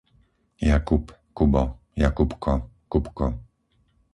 Jakub, Kubo, Jakubko, Kubko